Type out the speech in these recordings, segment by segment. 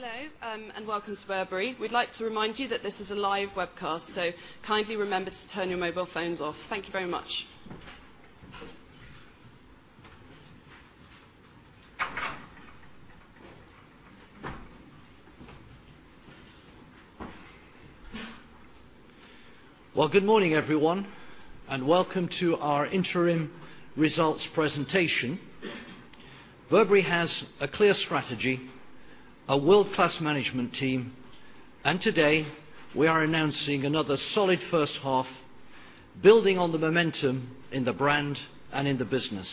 Hello, welcome to Burberry. We'd like to remind you that this is a live webcast, kindly remember to turn your mobile phones off. Thank you very much. Well, good morning, everyone, welcome to our interim results presentation. Burberry has a clear strategy, a world-class management team, today, we are announcing another solid first half, building on the momentum in the brand and in the business.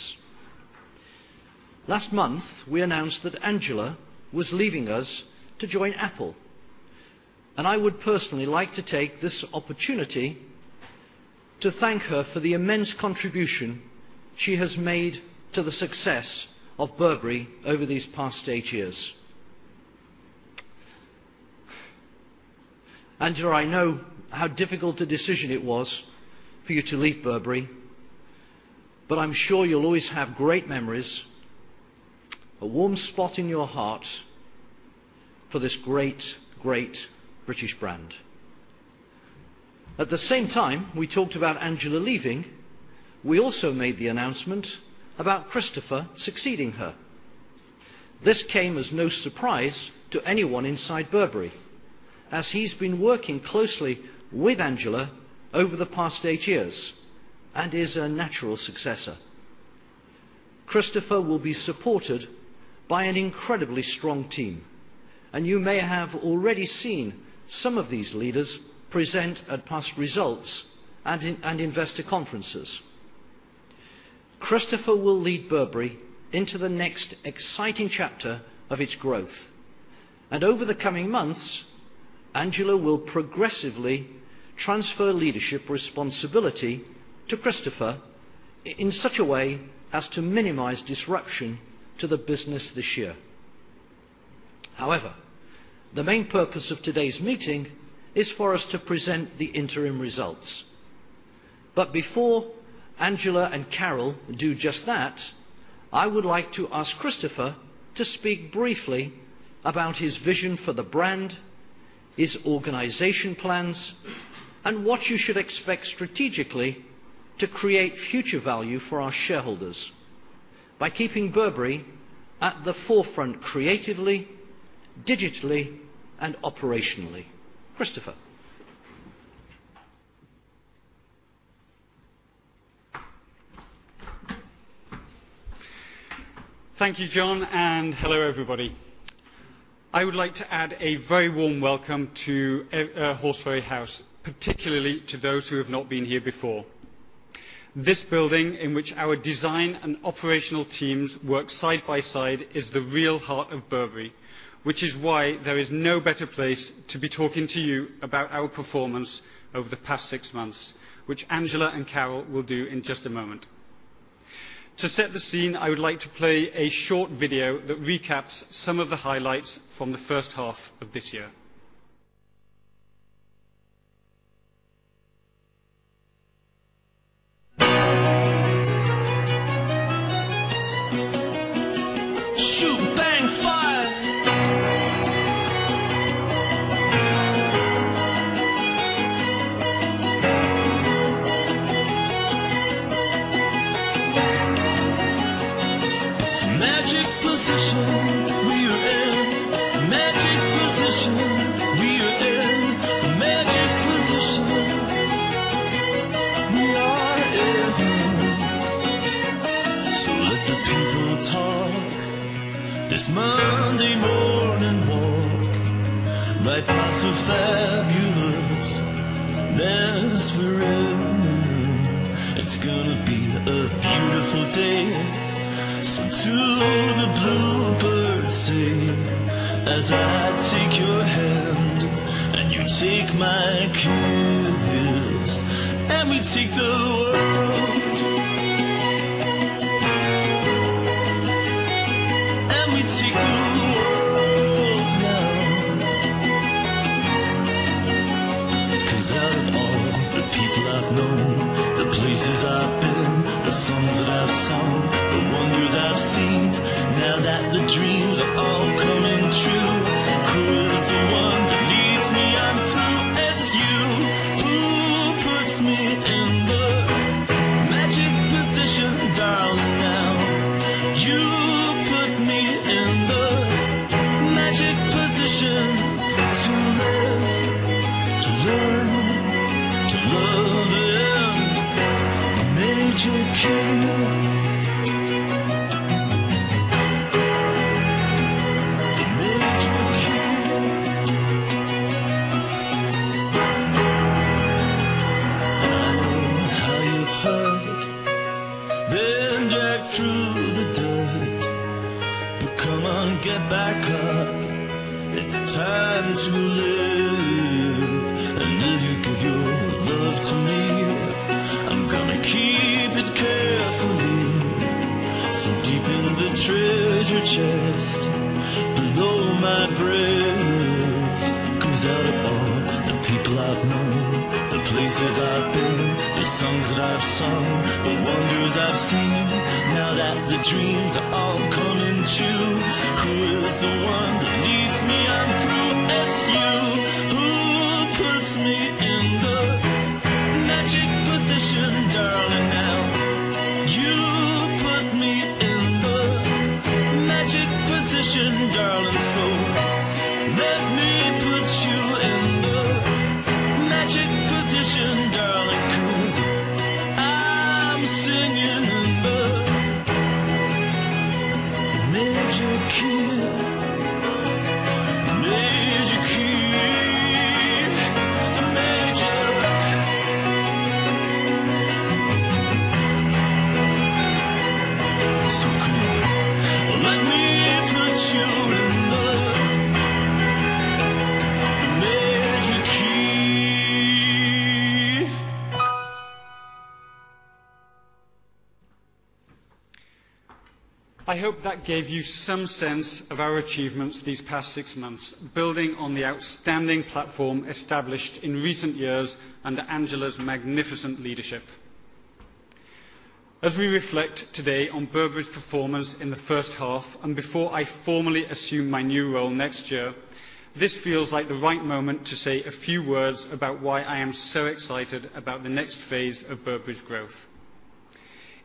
Last month, we announced that Angela was leaving us to join Apple, I would personally like to take this opportunity to thank her for the immense contribution she has made to the success of Burberry over these past 8 years. Angela, I know how difficult a decision it was for you to leave Burberry, I'm sure you'll always have great memories, a warm spot in your heart for this great British brand. At the same time we talked about Angela leaving, we also made the announcement about Christopher succeeding her. This came as no surprise to anyone inside Burberry, as he's been working closely with Angela over the past 8 years and is a natural successor. Christopher will be supported by an incredibly strong team, you may have already seen some of these leaders present at past results and investor conferences. Christopher will lead Burberry into the next exciting chapter of its growth, over the coming months, Angela will progressively transfer leadership responsibility to Christopher in such a way as to minimize disruption to the business this year. The main purpose of today's meeting is for us to present the interim results. Before Angela and Carol do just that, I would like to ask Christopher to speak briefly about his vision for the brand, his organization plans, and what you should expect strategically to create future value for our shareholders by keeping Burberry at the forefront creatively, digitally, and operationally. Christopher. Thank you, John, and hello, everybody. I would like to add a very warm welcome to Horseferry House, particularly to those who have not been here before. This building, in which our design and operational teams work side by side, is the real heart of Burberry, which is why there is no better place to be talking to you about our performance over the past six months, which Angela and Carol will do in just a moment. To set the scene, I would like to play a short video that recaps some of the highlights from the first half of this year.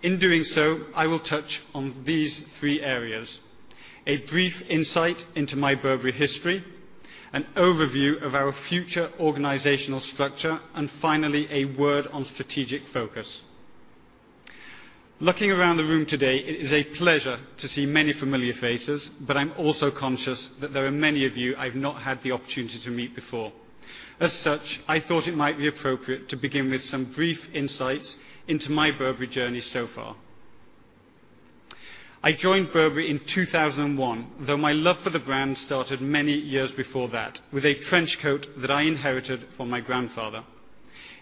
In doing so, I will touch on these three areas: a brief insight into my Burberry history, an overview of our future organizational structure, and finally, a word on strategic focus. Looking around the room today, it is a pleasure to see many familiar faces, but I'm also conscious that there are many of you I've not had the opportunity to meet before. As such, I thought it might be appropriate to begin with some brief insights into my Burberry journey so far. I joined Burberry in 2001, though my love for the brand started many years before that, with a trench coat that I inherited from my grandfather.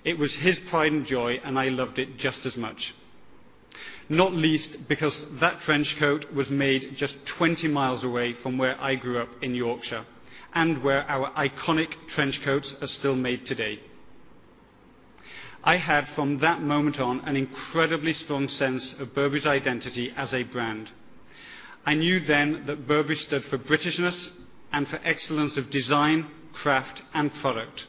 It was his pride and joy, and I loved it just as much. Not least because that trench coat was made just 20 miles away from where I grew up in Yorkshire, and where our iconic trench coats are still made today. I had, from that moment on, an incredibly strong sense of Burberry's identity as a brand. I knew then that Burberry stood for Britishness and for excellence of design, craft, and product.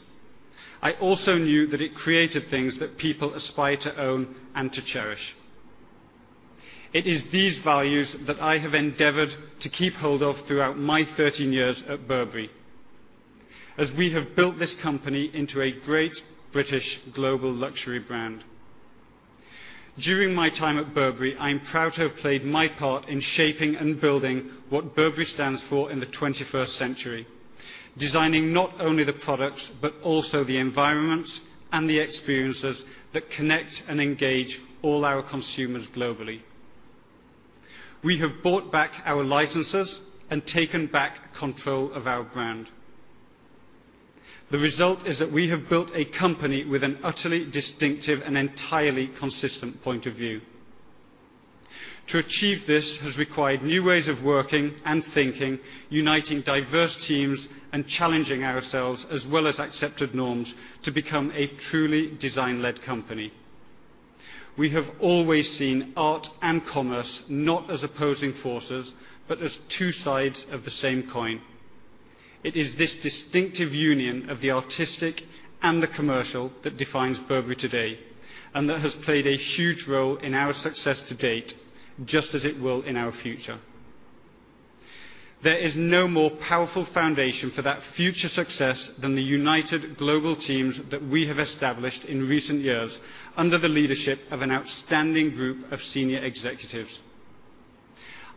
I also knew that it created things that people aspire to own and to cherish. It is these values that I have endeavored to keep hold of throughout my 13 years at Burberry, as we have built this company into a great British global luxury brand. During my time at Burberry, I am proud to have played my part in shaping and building what Burberry stands for in the 21st century. Designing not only the products, but also the environments and the experiences that connect and engage all our consumers globally. We have bought back our licenses and taken back control of our brand. The result is that we have built a company with an utterly distinctive and entirely consistent point of view. To achieve this has required new ways of working and thinking, uniting diverse teams, and challenging ourselves as well as accepted norms to become a truly design-led company. We have always seen art and commerce not as opposing forces, but as two sides of the same coin. It is this distinctive union of the artistic and the commercial that defines Burberry today, and that has played a huge role in our success to date, just as it will in our future. There is no more powerful foundation for that future success than the united global teams that we have established in recent years under the leadership of an outstanding group of senior executives.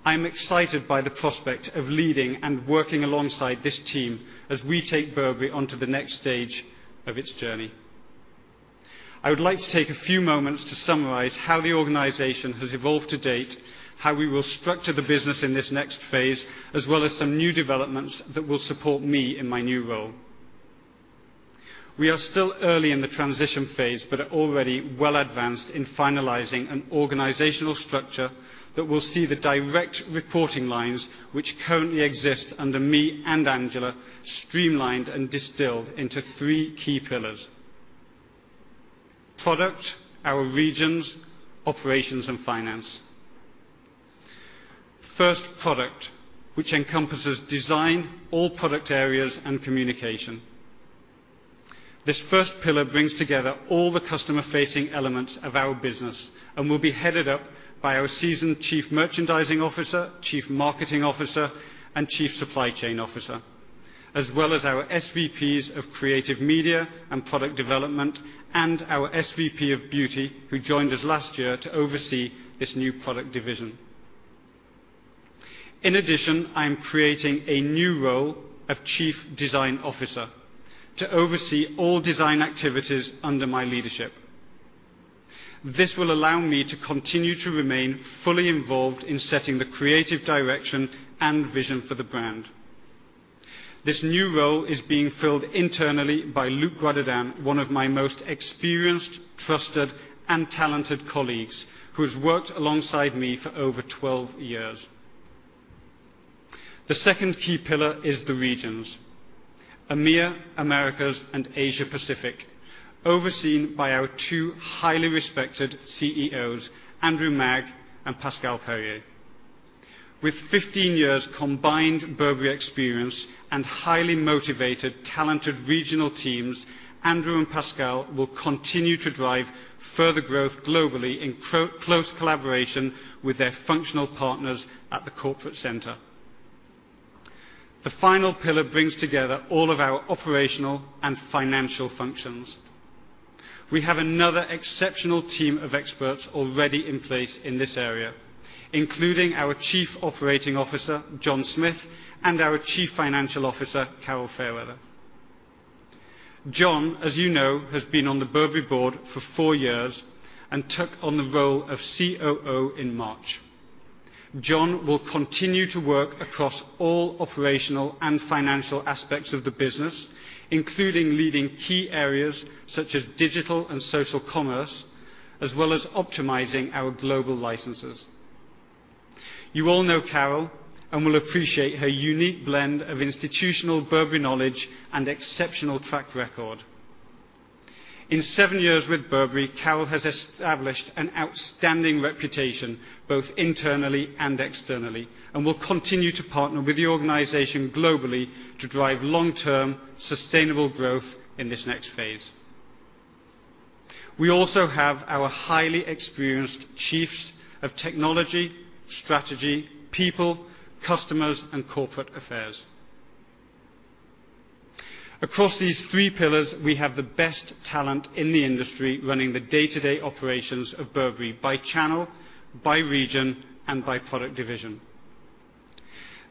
I'm excited by the prospect of leading and working alongside this team as we take Burberry onto the next stage of its journey. I would like to take a few moments to summarize how the organization has evolved to date, how we will structure the business in this next phase, as well as some new developments that will support me in my new role. We are still early in the transition phase, but are already well advanced in finalizing an organizational structure that will see the direct reporting lines which currently exist under me and Angela streamlined and distilled into three key pillars. Product, our regions, operations, and finance. First, product, which encompasses design, all product areas, and communication. This first pillar brings together all the customer-facing elements of our business and will be headed up by our seasoned chief merchandising officer, chief marketing officer, and chief supply chain officer, as well as our SVPs of creative media and product development, and our SVP of beauty, who joined us last year to oversee this new product division. In addition, I am creating a new role of chief design officer to oversee all design activities under my leadership. This will allow me to continue to remain fully involved in setting the creative direction and vision for the brand. This new role is being filled internally by Luc Goidadin, one of my most experienced, trusted, and talented colleagues, who has worked alongside me for over 12 years. The second key pillar is the regions. EMEA, Americas, and Asia Pacific, overseen by our two highly respected CEOs, Andrew Maag and Pascal Perrier. With 15 years combined Burberry experience and highly motivated, talented regional teams, Andrew and Pascal will continue to drive further growth globally in close collaboration with their functional partners at the corporate center. The final pillar brings together all of our operational and financial functions. We have another exceptional team of experts already in place in this area, including our Chief Operating Officer, John Smith, and our Chief Financial Officer, Carol Fairweather. John, as you know, has been on the Burberry board for four years and took on the role of COO in March. John will continue to work across all operational and financial aspects of the business, including leading key areas such as digital and social commerce, as well as optimizing our global licenses. You all know Carol and will appreciate her unique blend of institutional Burberry knowledge and exceptional track record. In seven years with Burberry, Carol has established an outstanding reputation both internally and externally and will continue to partner with the organization globally to drive long-term sustainable growth in this next phase. We also have our highly experienced chiefs of technology, strategy, people, customers, and corporate affairs. Across these three pillars, we have the best talent in the industry running the day-to-day operations of Burberry by channel, by region, and by product division.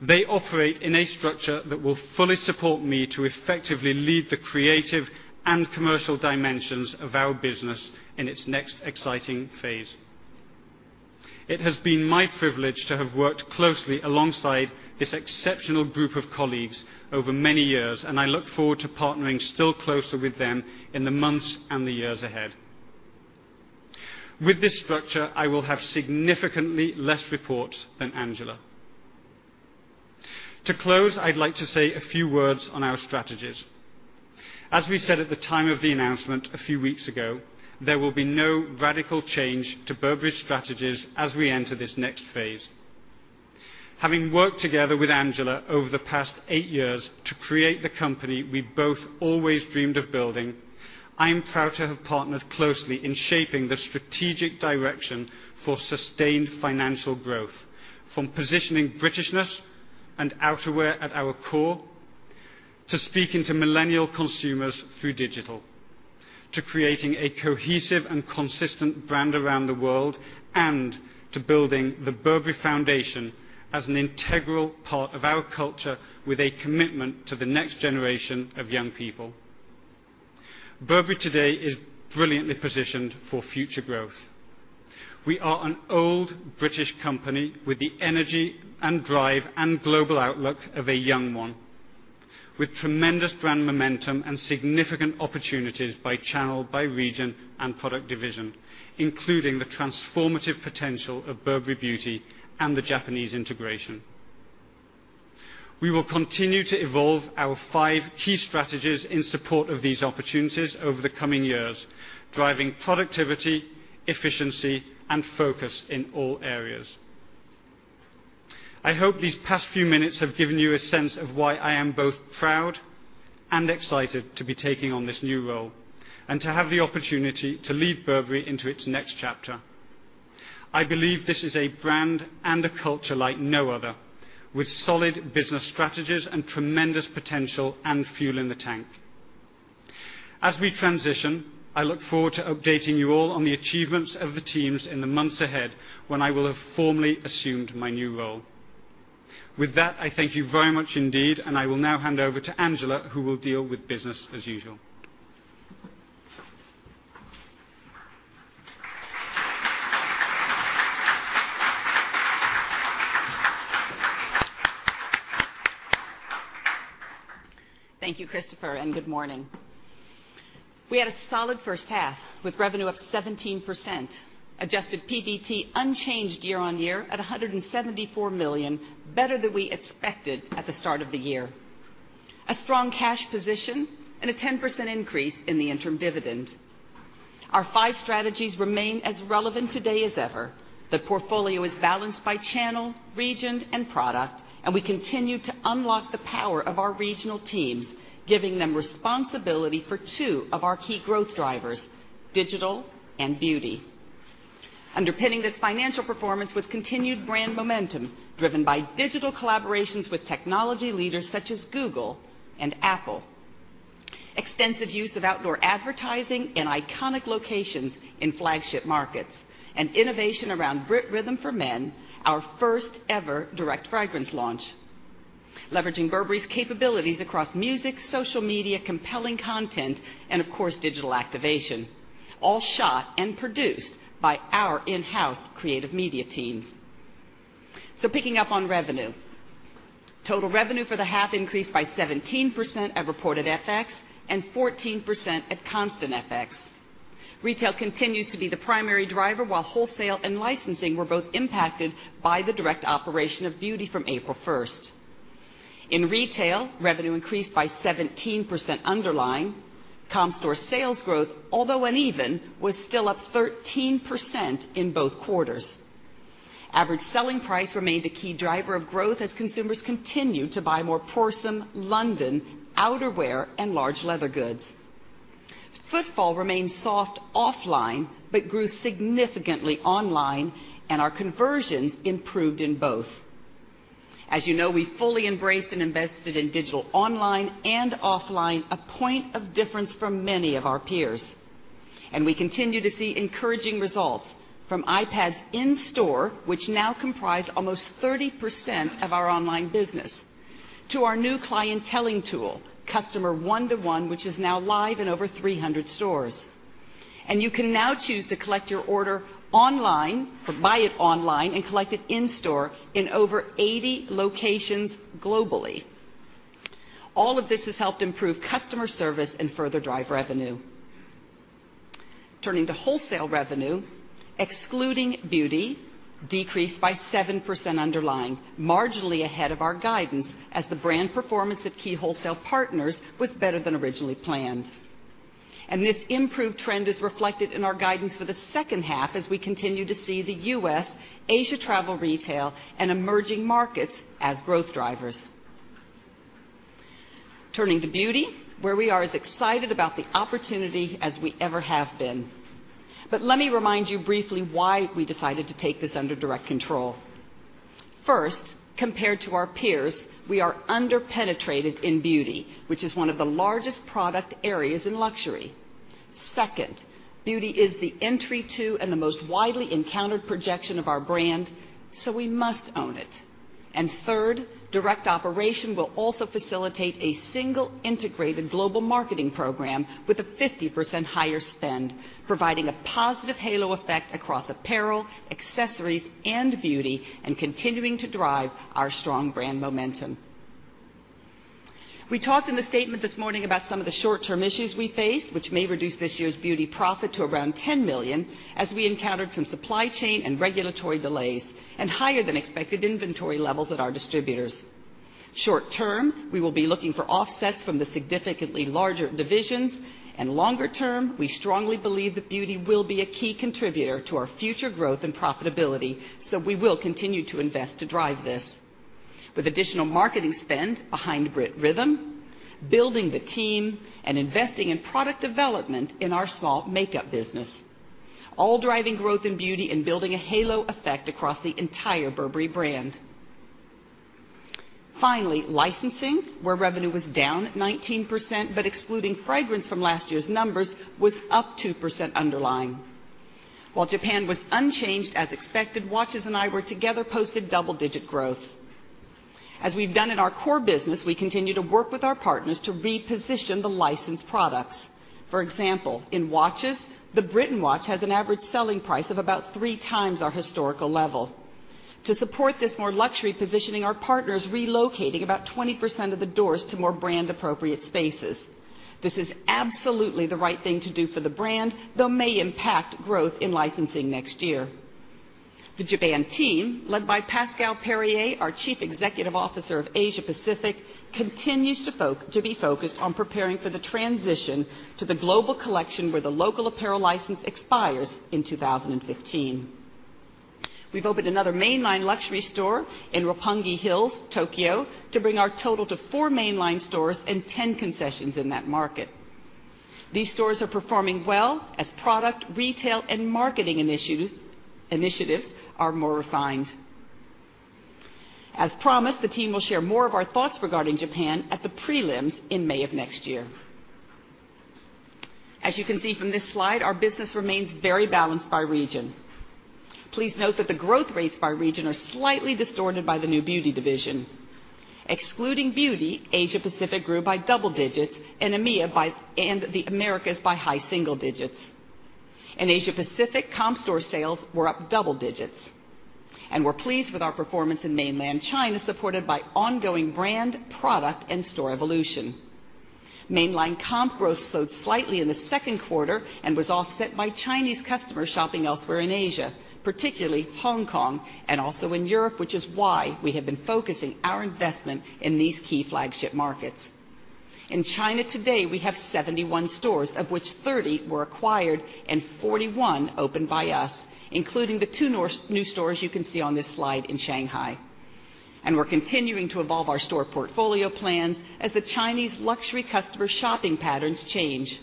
They operate in a structure that will fully support me to effectively lead the creative and commercial dimensions of our business in its next exciting phase. It has been my privilege to have worked closely alongside this exceptional group of colleagues over many years. I look forward to partnering still closer with them in the months and the years ahead. With this structure, I will have significantly less reports than Angela. To close, I'd like to say a few words on our strategies. As we said at the time of the announcement a few weeks ago, there will be no radical change to Burberry's strategies as we enter this next phase. Having worked together with Angela over the past eight years to create the company we've both always dreamed of building, I am proud to have partnered closely in shaping the strategic direction for sustained financial growth, from positioning Britishness and outerwear at our core, to speaking to millennial consumers through digital, to creating a cohesive and consistent brand around the world, to building the Burberry Foundation as an integral part of our culture with a commitment to the next generation of young people. Burberry today is brilliantly positioned for future growth. We are an old British company with the energy and drive and global outlook of a young one, with tremendous brand momentum and significant opportunities by channel, by region, and product division, including the transformative potential of Burberry Beauty and the Japanese integration. We will continue to evolve our five key strategies in support of these opportunities over the coming years, driving productivity, efficiency, and focus in all areas. I hope these past few minutes have given you a sense of why I am both proud and excited to be taking on this new role and to have the opportunity to lead Burberry into its next chapter. I believe this is a brand and a culture like no other, with solid business strategies and tremendous potential and fuel in the tank. As we transition, I look forward to updating you all on the achievements of the teams in the months ahead when I will have formally assumed my new role. With that, I thank you very much indeed, and I will now hand over to Angela, who will deal with business as usual. Thank you, Christopher, and good morning. We had a solid first half with revenue up 17%, adjusted PBT unchanged year-on-year at 174 million, better than we expected at the start of the year. A strong cash position and a 10% increase in the interim dividend. Our five strategies remain as relevant today as ever. The portfolio is balanced by channel, region, and product, and we continue to unlock the power of our regional teams, giving them responsibility for two of our key growth drivers, digital and beauty. Underpinning this financial performance with continued brand momentum, driven by digital collaborations with technology leaders such as Google and Apple. Extensive use of outdoor advertising in iconic locations in flagship markets, and innovation around Brit Rhythm for Men, our first ever direct fragrance launch. Leveraging Burberry's capabilities across music, social media, compelling content, and of course, digital activation, all shot and produced by our in-house creative media team. Picking up on revenue. Total revenue for the half increased by 17% at reported FX and 14% at constant FX. Retail continues to be the primary driver, while wholesale and licensing were both impacted by the direct operation of beauty from April 1st. In retail, revenue increased by 17% underlying. Comp store sales growth, although uneven, was still up 13% in both quarters. Average selling price remained a key driver of growth as consumers continued to buy more Prorsum, Burberry London, outerwear, and large leather goods. Footfall remained soft offline, but grew significantly online, and our conversions improved in both. As you know, we fully embraced and invested in digital online and offline, a point of difference from many of our peers. We continue to see encouraging results from iPads in-store, which now comprise almost 30% of our online business, to our new clienteling tool, Customer 1:1, which is now live in over 300 stores. You can now choose to collect your order online or buy it online and collect it in-store in over 80 locations globally. All of this has helped improve customer service and further drive revenue. Turning to wholesale revenue, excluding beauty, decreased by 7% underlying, marginally ahead of our guidance as the brand performance of key wholesale partners was better than originally planned. This improved trend is reflected in our guidance for the second half as we continue to see the U.S., Asia travel retail, and emerging markets as growth drivers. Turning to beauty, where we are as excited about the opportunity as we ever have been. Let me remind you briefly why we decided to take this under direct control. First, compared to our peers, we are under-penetrated in beauty, which is one of the largest product areas in luxury. Second, beauty is the entry to and the most widely encountered projection of our brand, so we must own it. Third, direct operation will also facilitate a single integrated global marketing program with a 50% higher spend, providing a positive halo effect across apparel, accessories, and beauty, and continuing to drive our strong brand momentum. We talked in the statement this morning about some of the short-term issues we face, which may reduce this year's beauty profit to around 10 million, as we encountered some supply chain and regulatory delays and higher than expected inventory levels at our distributors. Short term, we will be looking for offsets from the significantly larger divisions. Longer term, we strongly believe that beauty will be a key contributor to our future growth and profitability, so we will continue to invest to drive this. With additional marketing spend behind Brit Rhythm, building the team, and investing in product development in our small makeup business, all driving growth in beauty and building a halo effect across the entire Burberry brand. Finally, licensing, where revenue was down 19%, excluding fragrance from last year's numbers, was up 2% underlying. While Japan was unchanged as expected, watches and eyewear together posted double-digit growth. As we've done in our core business, we continue to work with our partners to reposition the licensed products. For example, in watches, the Briton watch has an average selling price of about three times our historical level. To support this more luxury positioning, our partner is relocating about 20% of the doors to more brand-appropriate spaces. This is absolutely the right thing to do for the brand, though may impact growth in licensing next year. The Japan team, led by Pascal Perrier, our Chief Executive Officer of Asia Pacific, continues to be focused on preparing for the transition to the global collection where the local apparel license expires in 2015. We've opened another mainline luxury store in Roppongi Hills, Tokyo, to bring our total to four mainline stores and 10 concessions in that market. These stores are performing well as product, retail, and marketing initiatives are more refined. As promised, the team will share more of our thoughts regarding Japan at the prelims in May of next year. As you can see from this slide, our business remains very balanced by region. Please note that the growth rates by region are slightly distorted by the new beauty division. Excluding beauty, Asia Pacific grew by double digits and the Americas by high single digits. In Asia Pacific, comp store sales were up double digits. We're pleased with our performance in mainland China, supported by ongoing brand, product, and store evolution. Mainline comp growth slowed slightly in the second quarter and was offset by Chinese customers shopping elsewhere in Asia, particularly Hong Kong and also in Europe, which is why we have been focusing our investment in these key flagship markets. In China today, we have 71 stores, of which 30 were acquired and 41 opened by us, including the two new stores you can see on this slide in Shanghai. We're continuing to evolve our store portfolio plan as the Chinese luxury customer shopping patterns change.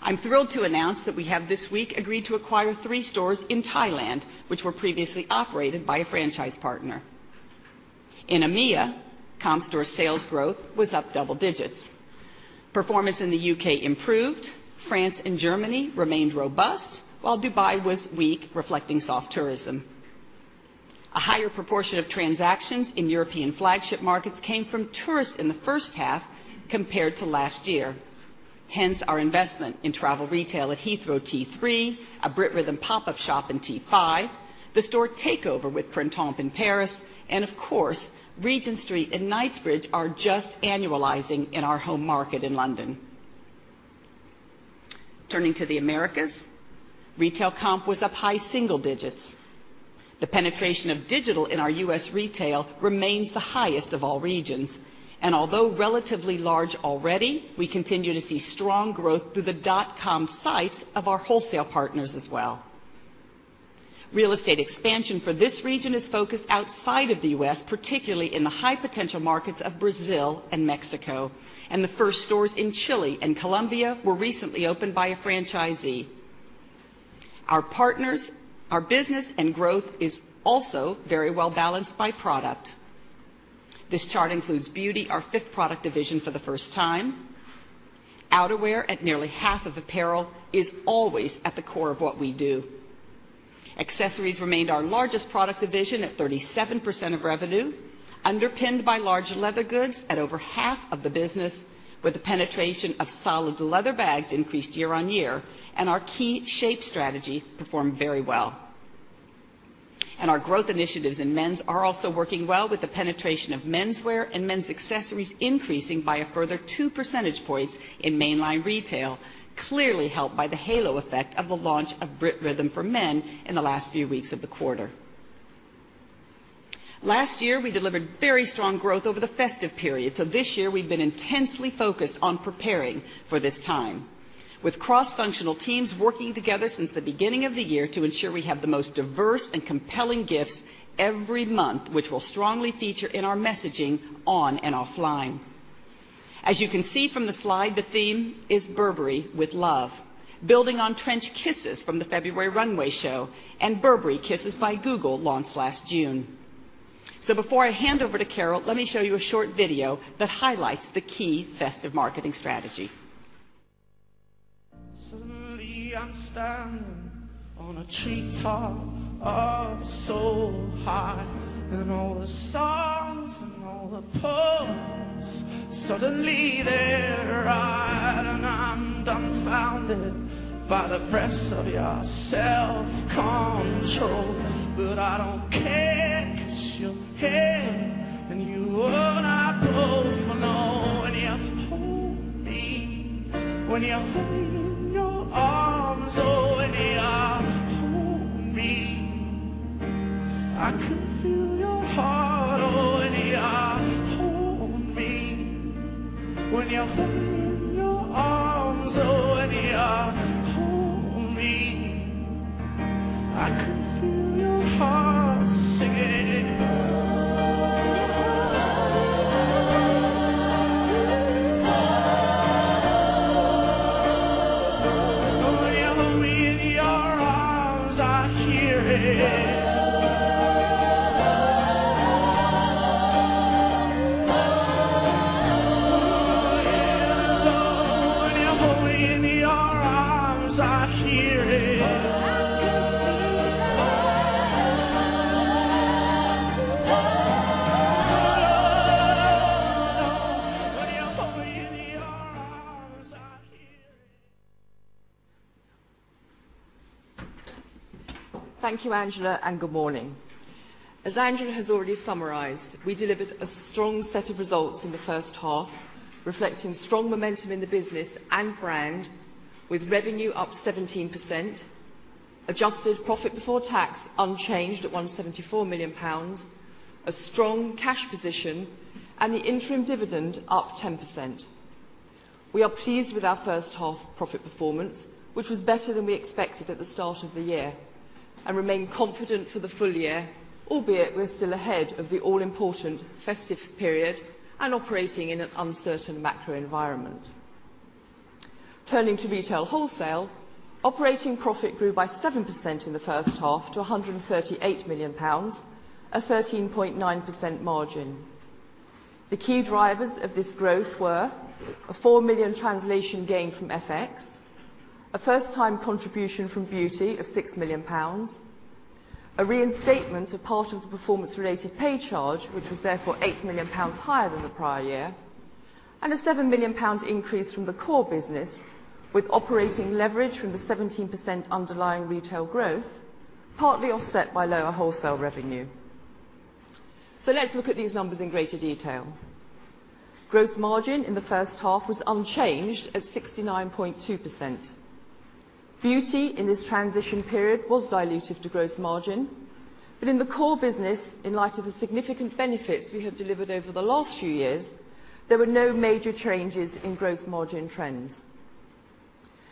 I'm thrilled to announce that we have this week agreed to acquire three stores in Thailand, which were previously operated by a franchise partner. In EMEA, comp store sales growth was up double digits. Performance in the U.K. improved. France and Germany remained robust, while Dubai was weak, reflecting soft tourism. A higher proportion of transactions in European flagship markets came from tourists in the first half compared to last year. Our investment in travel retail at Heathrow T3, a Brit Rhythm pop-up shop in T5, the store takeover with Printemps in Paris, and of course, Regent Street and Knightsbridge are just annualizing in our home market in London. Turning to the Americas, retail comp was up high single digits. The penetration of digital in our U.S. retail remains the highest of all regions, and although relatively large already, we continue to see strong growth through the dot-com sites of our wholesale partners as well. Real estate expansion for this region is focused outside of the U.S., particularly in the high potential markets of Brazil and Mexico. The first stores in Chile and Colombia were recently opened by a franchisee. Our business and growth is also very well balanced by product. This chart includes Burberry Beauty, our fifth product division for the first time. Outerwear, at nearly half of apparel, is always at the core of what we do. Accessories remained our largest product division at 37% of revenue, underpinned by large leather goods at over half of the business, with the penetration of solid leather bags increased year-on-year, and our key shape strategy performed very well. Our growth initiatives in men's are also working well with the penetration of menswear and men's accessories increasing by a further two percentage points in mainline retail, clearly helped by the halo effect of the launch of Brit Rhythm for Men in the last few weeks of the quarter. Last year, we delivered very strong growth over the festive period. This year, we've been intensely focused on preparing for this time, with cross-functional teams working together since the beginning of the year to ensure we have the most diverse and compelling gifts every month, which we'll strongly feature in our messaging on and offline. As you can see from the slide, the theme is Burberry with Love, building on trench kisses from the February runway show and Burberry Kisses by Google launched last June. Before I hand over to Carol, let me show you a short video that highlights the key festive marketing strategy. Suddenly, I'm standing on a treetop up so high. And all the songs and all the poets, suddenly they're right. And I'm dumbfounded by the press of your self-control. But I don't care, 'cause you're here and you hold my pulse. Oh, when you hold me, when you hold me in your arms. Oh, when you hold me, I can feel your heart. Oh, when you hold me, when you hold me in your arms. Oh, when you hold me, I can feel your heart sing. Oh, when you hold me in your arms, I hear it. Oh, yeah. Oh, when you hold me in your arms, I hear it. Oh, Lord. When you hold me in your arms, I hear it Thank you, Angela, and good morning. As Angela has already summarized, we delivered a strong set of results in the first half, reflecting strong momentum in the business and brand, with revenue up 17%, adjusted PBT unchanged at 174 million pounds, a strong cash position, and the interim dividend up 10%. We are pleased with our first half profit performance, which was better than we expected at the start of the year, and remain confident for the full year, albeit we're still ahead of the all-important festive period and operating in an uncertain macro environment. Turning to retail wholesale, operating profit grew by 7% in the first half to 138 million pounds, a 13.9% margin. The key drivers of this growth were a 4 million translation gain from FX, a first-time contribution from Beauty of 6 million pounds, a reinstatement of part of the performance-related pay charge, which was therefore 8 million pounds higher than the prior year, and a 7 million pound increase from the core business, with operating leverage from the 17% underlying retail growth, partly offset by lower wholesale revenue. Let's look at these numbers in greater detail. Gross margin in the first half was unchanged at 69.2%. Beauty in this transition period was dilutive to gross margin, in the core business, in light of the significant benefits we have delivered over the last few years, there were no major changes in gross margin trends.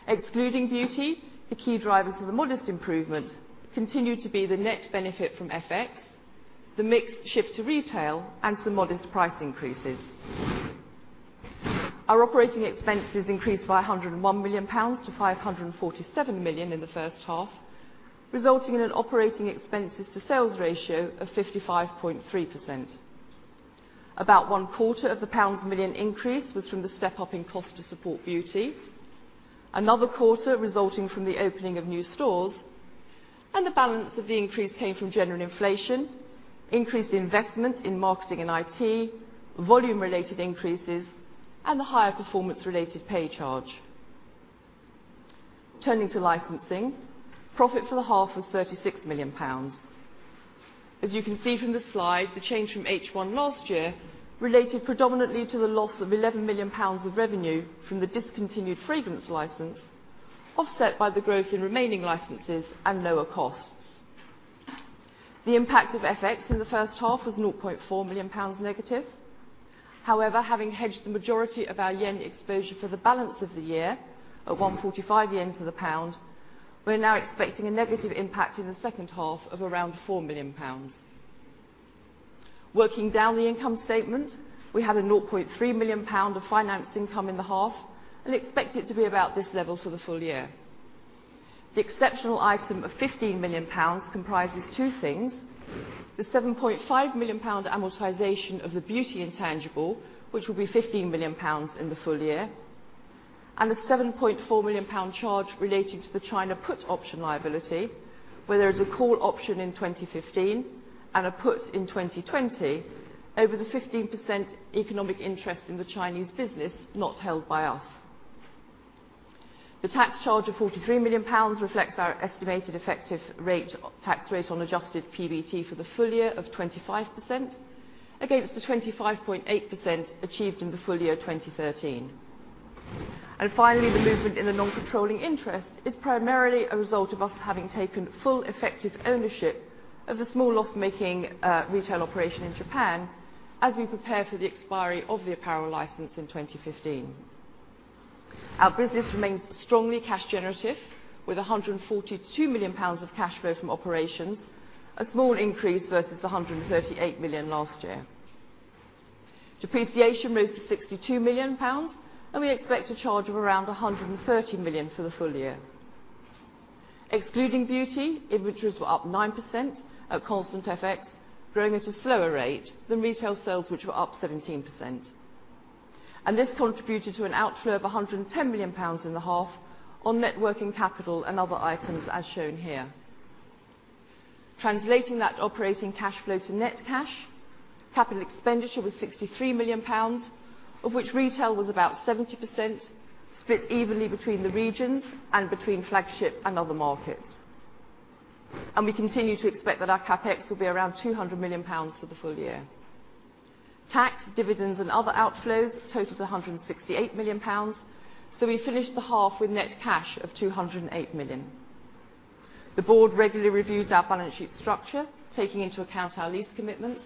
Excluding Beauty, the key drivers of the modest improvement continue to be the net benefit from FX, the mix shift to retail, and some modest price increases. Our OpEx increased by 101 million pounds to 547 million in the first half, resulting in an OpEx to sales ratio of 55.3%. About one quarter of the million pounds increase was from the step-up in cost to support Beauty, another quarter resulting from the opening of new stores, and the balance of the increase came from general inflation, increased investment in marketing and IT, volume-related increases, and the higher performance-related pay charge. Turning to licensing, profit for the half was 36 million pounds. As you can see from the slide, the change from H1 last year related predominantly to the loss of 11 million pounds of revenue from the discontinued fragrance license, offset by the growth in remaining licenses and lower costs. The impact of FX in the first half was 0.4 million pounds negative. However, having hedged the majority of our JPY exposure for the balance of the year at 145 yen to the GBP, we are now expecting a negative impact in the second half of around 4 million pounds. Working down the income statement, we had a 0.3 million pound of finance income in the half and expect it to be about this level for the full year. The exceptional item of 15 million pounds comprises two things: the 7.5 million pound amortization of the Beauty intangible, which will be 15 million pounds in the full year, and the 7.4 million pound charge relating to the China put option liability, where there is a call option in 2015 and a put in 2020 over the 15% economic interest in the Chinese business not held by us. The tax charge of 43 million pounds reflects our estimated effective tax rate on adjusted PBT for the full year of 25% against the 25.8% achieved in the full year 2013. Finally, the movement in the non-controlling interest is primarily a result of us having taken full effective ownership of the small loss-making retail operation in Japan as we prepare for the expiry of the apparel license in 2015. Our business remains strongly cash generative, with 142 million pounds of cash flow from operations, a small increase versus the 138 million last year. Depreciation rose to 62 million pounds and we expect a charge of around 130 million for the full year. Excluding Beauty, inventories were up 9% at constant FX, growing at a slower rate than retail sales, which were up 17%. This contributed to an outflow of 110 million pounds in the half on net working capital and other items as shown here. Translating that operating cash flow to net cash, capital expenditure was 63 million pounds, of which retail was about 70%, split evenly between the regions and between flagship and other markets. We continue to expect that our CapEx will be around 200 million pounds for the full year. Tax, dividends, and other outflows totaled 168 million pounds, we finished the half with net cash of 208 million. The board regularly reviews our balance sheet structure, taking into account our lease commitments,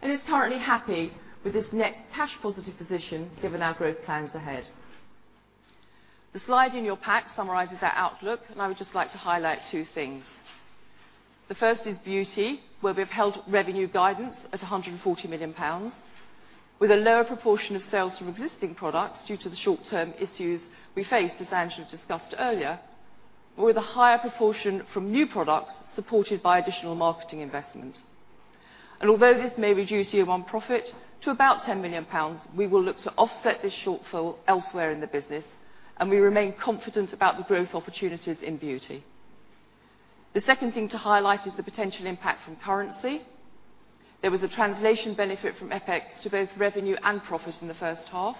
and is currently happy with this net cash positive position given our growth plans ahead. The slide in your pack summarizes our outlook, I would just like to highlight two things. The first is Beauty, where we have held revenue guidance at 140 million pounds, with a lower proportion of sales from existing products due to the short-term issues we face, as Angela discussed earlier, but with a higher proportion from new products supported by additional marketing investment. Although this may reduce year one profit to about 10 million pounds, we will look to offset this shortfall elsewhere in the business, and we remain confident about the growth opportunities in Beauty. The second thing to highlight is the potential impact from currency. There was a translation benefit from FX to both revenue and profit in the first half.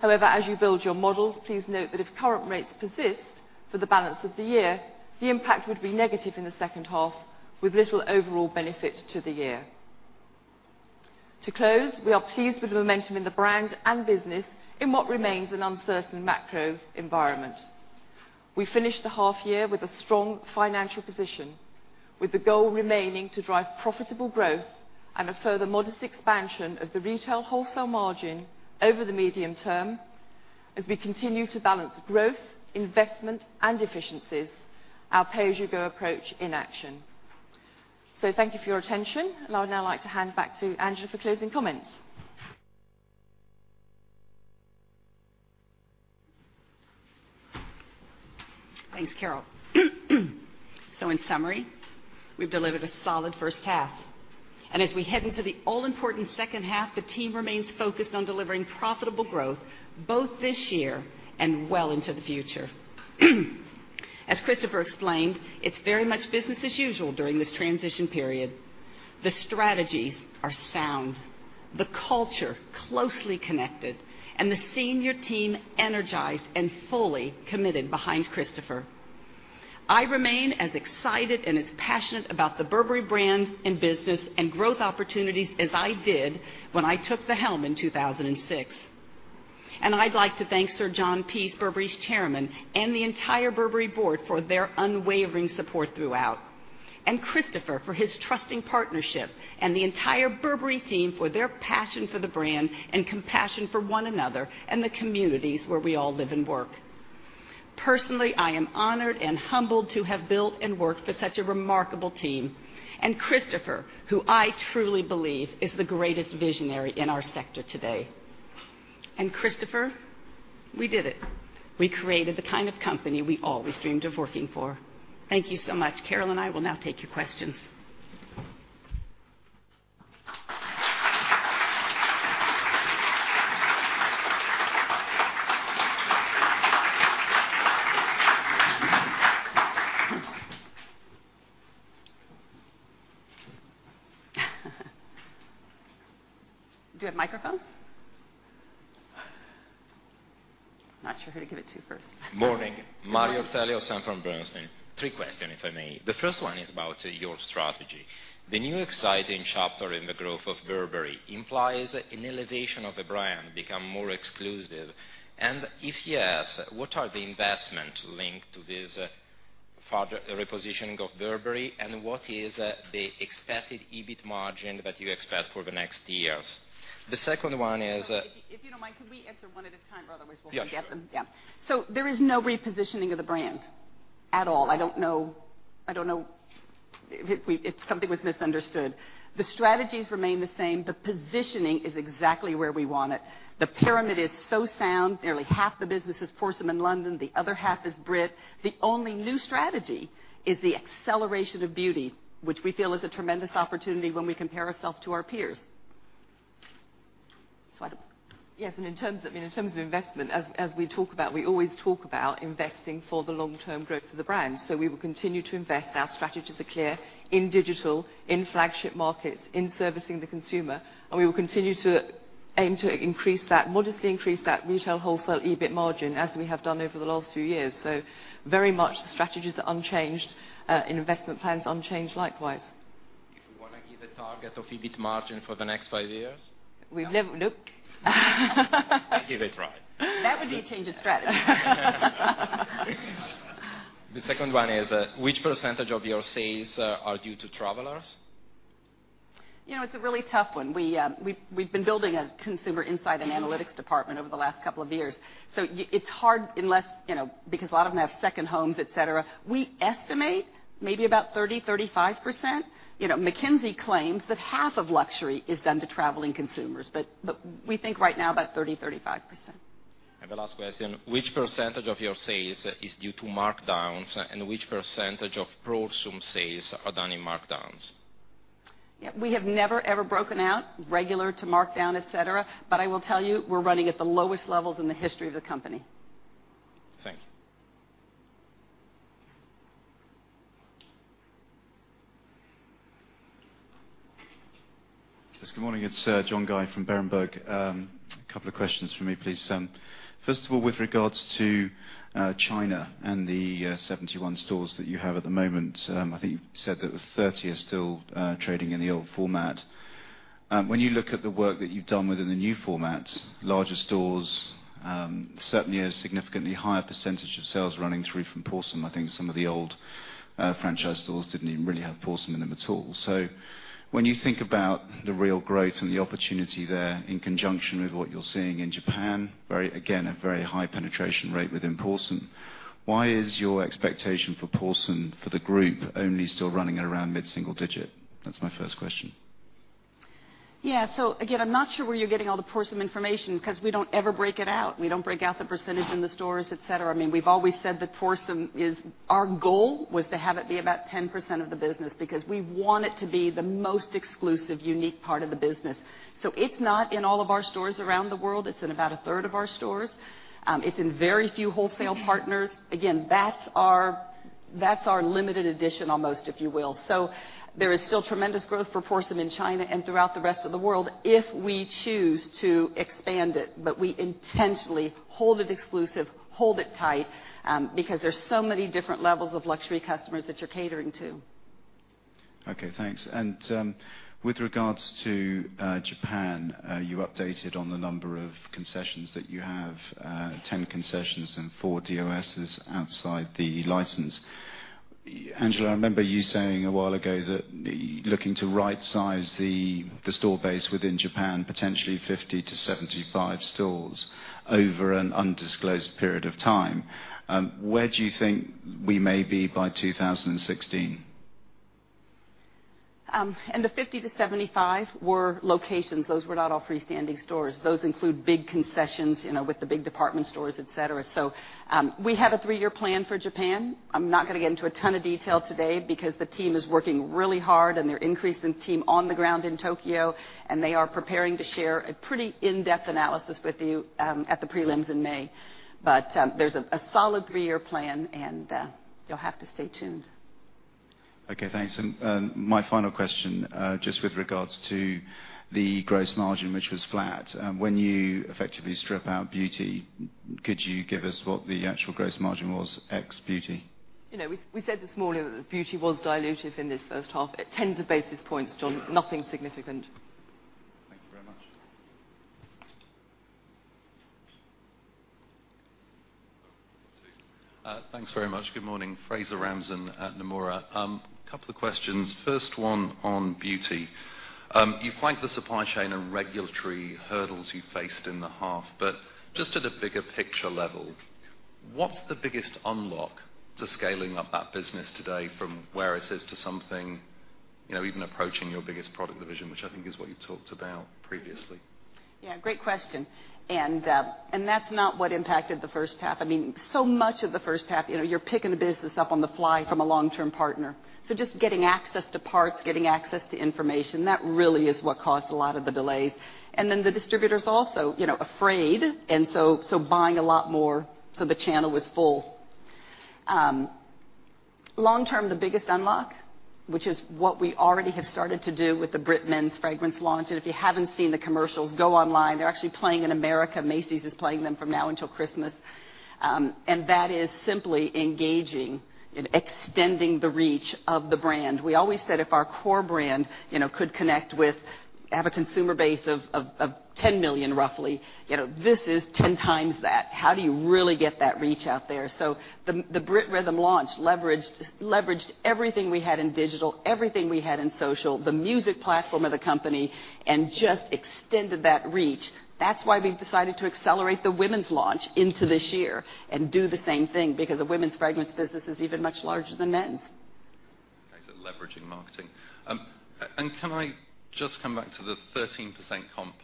However, as you build your models, please note that if current rates persist for the balance of the year, the impact would be negative in the second half, with little overall benefit to the year. To close, we are pleased with the momentum in the brand and business in what remains an uncertain macro environment. We finished the half year with a strong financial position, with the goal remaining to drive profitable growth and a further modest expansion of the retail wholesale margin over the medium term as we continue to balance growth, investment, and efficiencies, our pay-as-you-go approach in action. Thank you for your attention, and I would now like to hand back to Angela for closing comments. Thanks, Carol. In summary, we've delivered a solid first half. As we head into the all-important second half, the team remains focused on delivering profitable growth both this year and well into the future. As Christopher explained, it's very much business as usual during this transition period. The strategies are sound, the culture closely connected, and the senior team energized and fully committed behind Christopher. I remain as excited and as passionate about the Burberry brand and business and growth opportunities as I did when I took the helm in 2006. I'd like to thank Sir John Peace, Burberry's Chairman, and the entire Burberry board for their unwavering support throughout. Christopher for his trusting partnership and the entire Burberry team for their passion for the brand and compassion for one another and the communities where we all live and work. Personally, I am honored and humbled to have built and worked with such a remarkable team. Christopher, who I truly believe is the greatest visionary in our sector today. Christopher, we did it. We created the kind of company we always dreamed of working for. Thank you so much. Carol and I will now take your questions. Do you have microphones? I'm not sure who to give it to first. Morning. Mario Ortelli, Sanford Bernstein. Three questions, if I may. The first one is about your strategy. The new exciting chapter in the growth of Burberry implies an elevation of the brand become more exclusive. If yes, what are the investment link to this further repositioning of Burberry, and what is the expected EBIT margin that you expect for the next years? The second one is- If you don't mind, could we answer one at a time? Otherwise we'll forget them. Yeah, sure. Yeah. There is no repositioning of the brand at all. I don't know if something was misunderstood. The strategies remain the same. The positioning is exactly where we want it. The pyramid is so sound, nearly half the business is Prorsum London, the other half is Burberry Brit. The only new strategy is the acceleration of Burberry Beauty, which we feel is a tremendous opportunity when we compare ourself to our peers. Angela? Yes. In terms of investment, as we talk about, we always talk about investing for the long-term growth of the brand. We will continue to invest. Our strategies are clear in digital, in flagship markets, in servicing the consumer, and we will continue to aim to modestly increase that retail wholesale EBIT margin as we have done over the last few years. Very much the strategies are unchanged, and investment plans unchanged likewise. If you want to give a target of EBIT margin for the next five years? Look. I give it try. That would be a change of strategy. The second one is, which % of your sales are due to travelers? It's a really tough one. We've been building a consumer insight and analytics department over the last couple of years. It's hard because a lot of them have second homes, et cetera. We estimate maybe about 30%, 35%. McKinsey claims that half of luxury is done to traveling consumers. We think right now about 30%, 35%. The last question, which % of your sales is due to markdowns, and which % of Prorsum sales are done in markdowns? Yeah, we have never, ever broken out regular to markdown, et cetera. I will tell you, we're running at the lowest levels in the history of the company. Thank you. Yes, good morning. It's John Guy from Berenberg. A couple of questions for me, please. First of all, with regards to China and the 71 stores that you have at the moment, I think you said that the 30 are still trading in the old format. When you look at the work that you've done within the new formats, larger stores, certainly a significantly higher percentage of sales running through from Prorsum. I think some of the old franchise stores didn't even really have Prorsum in them at all. When you think about the real growth and the opportunity there in conjunction with what you're seeing in Japan, again, a very high penetration rate within Prorsum, why is your expectation for Prorsum for the group only still running at around mid-single digit? That's my first question. Yeah. Again, I'm not sure where you're getting all the Prorsum information because we don't ever break it out. We don't break out the percentage in the stores, et cetera. We've always said that Prorsum, our goal was to have it be about 10% of the business because we want it to be the most exclusive, unique part of the business. It's not in all of our stores around the world. It's in about a third of our stores. It's in very few wholesale partners. Again, that's our limited edition almost, if you will. There is still tremendous growth for Prorsum in China and throughout the rest of the world if we choose to expand it. We intentionally hold it exclusive, hold it tight, because there's so many different levels of luxury customers that you're catering to. Okay, thanks. With regards to Japan, you updated on the number of concessions that you have, 10 concessions and four DOSs outside the license. Angela, I remember you saying a while ago that looking to right size the store base within Japan, potentially 50 to 75 stores over an undisclosed period of time. Where do you think we may be by 2016? The 50 to 75 were locations. Those were not all freestanding stores. Those include big concessions, with the big department stores, et cetera. We have a three-year plan for Japan. I'm not going to get into a ton of detail today because the team is working really hard, and they're increasing team on the ground in Tokyo, and they are preparing to share a pretty in-depth analysis with you at the prelims in May. There's a solid three-year plan, and you'll have to stay tuned. Okay, thanks. My final question, just with regards to the gross margin, which was flat. When you effectively strip out Beauty, could you give us what the actual gross margin was ex Beauty? We said this morning that the Beauty was dilutive in this first half. Tens of basis points, John. Nothing significant. Thank you very much. Thanks very much. Good morning. Fraser Ramzan at Nomura. Couple of questions. First one on Beauty. You flanked the supply chain and regulatory hurdles you faced in the half. Just at a bigger picture level, what's the biggest unlock to scaling up that business today from where it is to something even approaching your biggest product division, which I think is what you talked about previously? Yeah, great question. That's not what impacted the first half. Much of the first half, you're picking the business up on the fly from a long-term partner. Just getting access to parts, getting access to information, that really is what caused a lot of the delays. Then the distributors also, afraid, and so buying a lot more, so the channel was full. Long term, the biggest unlock, which is what we already have started to do with the Brit men's fragrance launch. If you haven't seen the commercials, go online. They're actually playing in America. Macy's is playing them from now until Christmas. That is simply engaging and extending the reach of the brand. We always said if our core brand could connect with, have a consumer base of 10 million roughly. This is 10 times that. How do you really get that reach out there? The Brit Rhythm launch leveraged everything we had in digital, everything we had in social, the music platform of the company, and just extended that reach. That's why we've decided to accelerate the women's launch into this year and do the same thing, because the women's fragrance business is even much larger than men's. Thanks for leveraging marketing. Can I just come back to the 13% comp,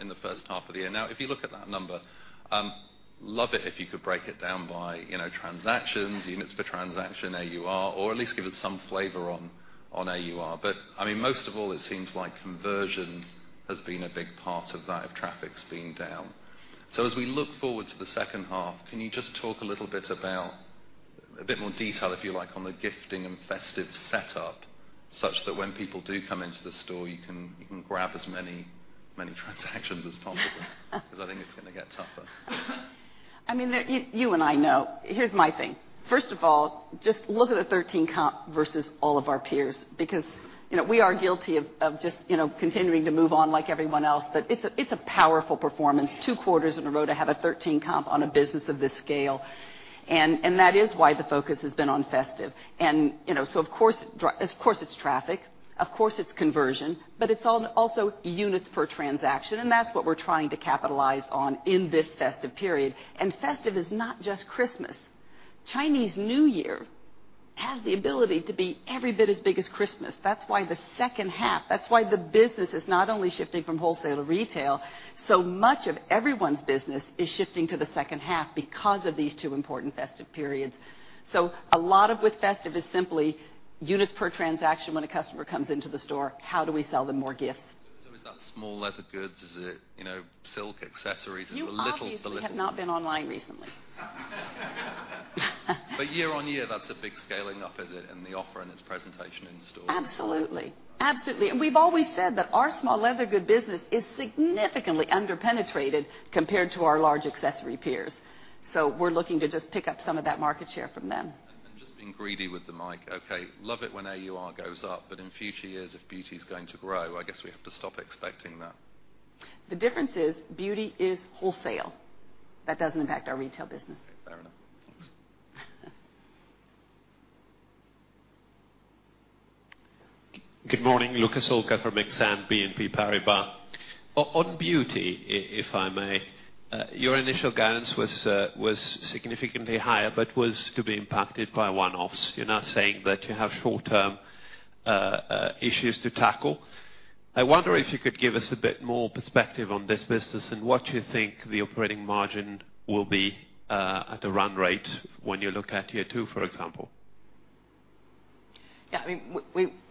in the first half of the year? If you look at that number, love it if you could break it down by transactions, units per transaction, AUR, or at least give us some flavor on AUR. Most of all, it seems like conversion has been a big part of that, if traffic's been down. As we look forward to the second half, can you just talk a little bit about a bit more detail, if you like, on the gifting and festive setup, such that when people do come into the store, you can grab as many transactions as possible? Because I think it's going to get tougher. You and I know. Here's my thing. First of all, just look at the 13 comp versus all of our peers, because we are guilty of just continuing to move on like everyone else. It's a powerful performance, two quarters in a row to have a 13 comp on a business of this scale. That is why the focus has been on festive. Of course, it's traffic. Of course, it's conversion. It's also units per transaction, and that's what we're trying to capitalize on in this festive period. Festive is not just Christmas. Chinese New Year has the ability to be every bit as big as Christmas. That's why the second half, that's why the business is not only shifting from wholesale to retail. Much of everyone's business is shifting to the second half because of these two important festive periods. A lot of with festive is simply units per transaction when a customer comes into the store, how do we sell them more gifts? Is that small leather goods? Is it silk accessories? Is it the little You obviously have not been online recently. Year-over-year, that's a big scaling up, is it, in the offer and its presentation in store? Absolutely. We've always said that our small leather goods business is significantly under-penetrated compared to our large accessory peers. We're looking to just pick up some of that market share from them. Just being greedy with the mic. Okay. Love it when AUR goes up. In future years, if beauty's going to grow, I guess we have to stop expecting that. The difference is beauty is wholesale. That doesn't impact our retail business. Okay, fair enough. Thanks. Good morning. Luca Solca from Exane BNP Paribas. On Burberry Beauty, if I may. Your initial guidance was significantly higher but was to be impacted by one-offs. You're now saying that you have short-term issues to tackle. I wonder if you could give us a bit more perspective on this business and what you think the operating margin will be at a run rate when you look at year two, for example. Yeah.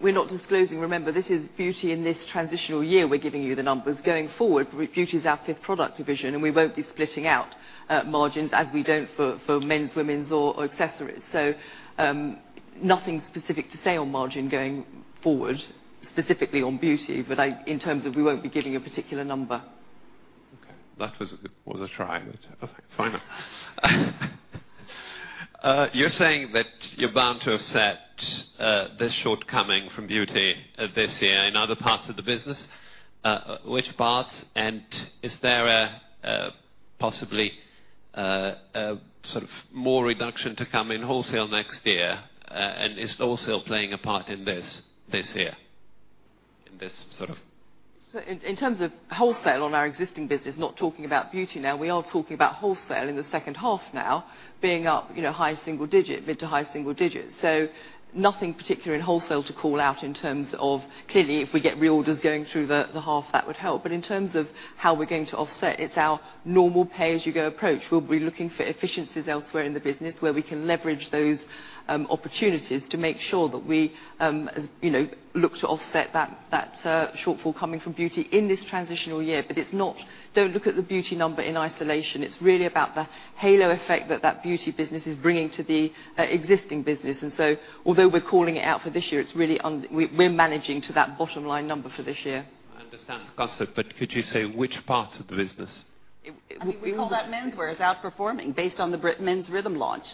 We're not disclosing. Remember, this is Burberry Beauty in this transitional year we're giving you the numbers. Going forward, Burberry Beauty is our fifth product division, and we won't be splitting out margins as we don't for men's, women's, or accessories. Nothing specific to say on margin going forward, specifically on Burberry Beauty. In terms of we won't be giving a particular number. Okay. That was a try, okay, fine. You're saying that you're bound to have set this shortcoming from Burberry Beauty this year in other parts of the business. Which parts, is there possibly more reduction to come in wholesale next year? Is wholesale playing a part in this here, in this sort of In terms of wholesale on our existing business, not talking about Beauty now, we are talking about wholesale in the second half now being up high single digit, mid to high single digit. Nothing particular in wholesale to call out in terms of clearly if we get reorders going through the half, that would help. In terms of how we are going to offset, it is our normal pay-as-you-go approach. We will be looking for efficiencies elsewhere in the business where we can leverage those opportunities to make sure that we look to offset that shortfall coming from Beauty in this transitional year. Do not look at the Beauty number in isolation. It is really about the halo effect that Beauty business is bringing to the existing business. Although we are calling it out for this year, we are managing to that bottom line number for this year. I understand the concept, could you say which part of the business? We called out menswear as outperforming based on the Brit Rhythm launch.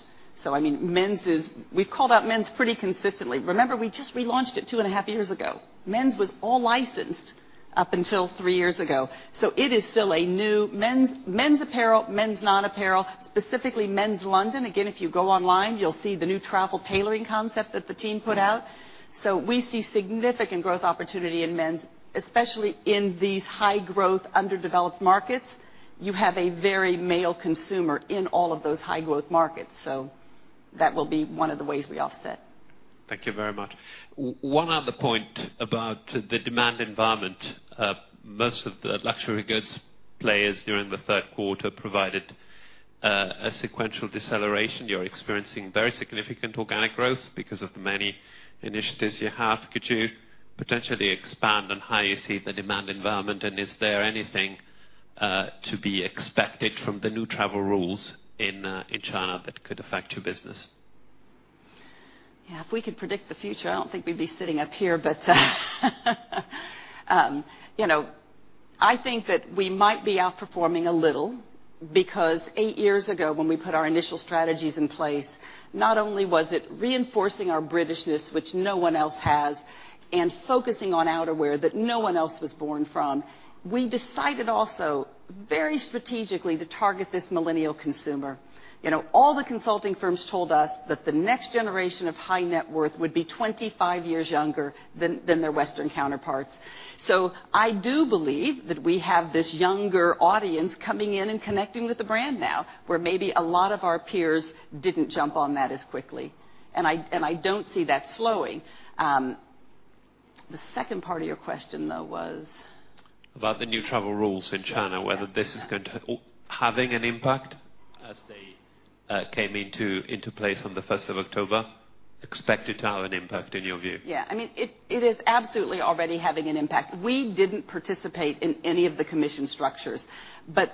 We have called out men's pretty consistently. Remember, we just relaunched it two and a half years ago. Men's was all licensed up until three years ago. It is still a new men's apparel, men's non-apparel, specifically Men's London. Again, if you go online, you will see the new travel tailoring concept that the team put out. We see significant growth opportunity in men's, especially in these high growth, underdeveloped markets. You have a very male consumer in all of those high growth markets. That will be one of the ways we offset. Thank you very much. One other point about the demand environment. Most of the luxury goods players during the third quarter provided a sequential deceleration. You are experiencing very significant organic growth because of the many initiatives you have. Could you potentially expand on how you see the demand environment, and is there anything to be expected from the new travel rules in China that could affect your business? Yeah, if we could predict the future, I don't think we'd be sitting up here. I think that we might be outperforming a little, because eight years ago, when we put our initial strategies in place, not only was it reinforcing our Britishness, which no one else has, and focusing on outerwear that no one else was born from. We decided also very strategically to target this millennial consumer. All the consulting firms told us that the next generation of high net worth would be 25 years younger than their Western counterparts. I do believe that we have this younger audience coming in and connecting with the brand now, where maybe a lot of our peers didn't jump on that as quickly. I don't see that slowing. The second part of your question, though, was? About the new travel rules in China, whether this is having an impact as they came into place on the 1st of October. Expected to have an impact in your view. Yeah. It is absolutely already having an impact. We didn't participate in any of the commission structures,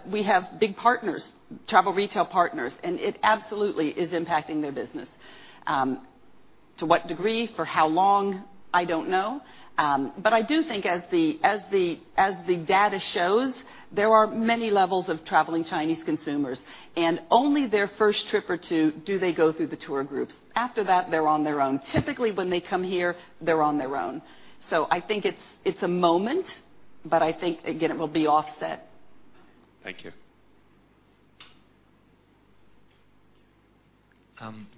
we have big partners, travel retail partners, and it absolutely is impacting their business. To what degree, for how long, I don't know. I do think as the data shows, there are many levels of traveling Chinese consumers, and only their first trip or two do they go through the tour groups. After that, they're on their own. Typically, when they come here, they're on their own. I think it's a moment, I think, again, it will be offset. Thank you.